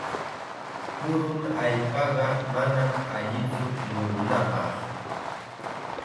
Purun allpaqa manam allitsu murunapaq.